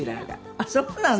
ああそうなの？